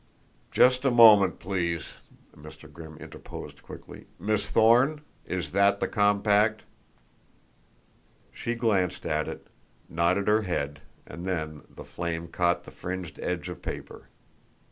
"Just a moment, please," Mr. Grimm interposed quickly. "Miss Thorne, is that the compact?" She glanced at it, nodded her head, and then the flame caught the fringed edge of paper.